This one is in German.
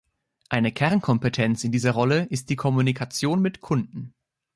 Eine Kernkompetenz in dieser Rolle ist die Kommunikation mit Kunden.